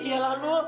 iya lah lu